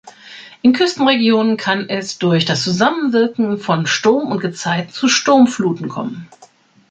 In Küstenregionen kann es durch das Zusammenwirken von Sturm und Gezeiten zu Sturmfluten kommen.